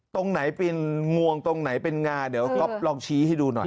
ตรงไหนเป็นงวงตรงไหนเป็นงาเดี๋ยวก๊อฟลองชี้ให้ดูหน่อย